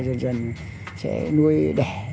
dần dần sẽ nuôi đẻ